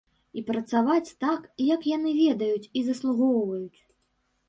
І працаваць так, як яны ведаюць і заслугоўваюць.